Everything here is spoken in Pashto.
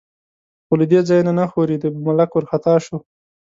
خو له دې ځایه نه ښورېده، ملک وارخطا شو.